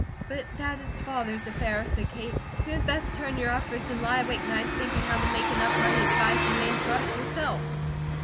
"But that is Father's affair," said Kate. "You had best turn your efforts, and lie awake nights thinking how to make enough money to buy some land for us, yourself."